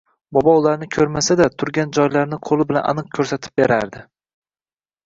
bobo ularni koʻrmasa-da, turgan joylarini qoʻli bilan aniq koʻrsatib berardi.